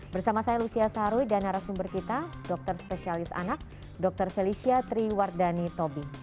bersama saya lucia saruy dan narasumber kita dokter spesialis anak dr felicia triwardani tobing